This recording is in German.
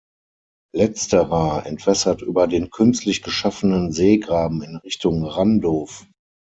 Letzterer entwässert über den künstlich geschaffenen Seegraben in Richtung Randow.